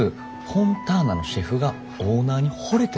フォンターナのシェフがオーナーにほれてるわけさぁ。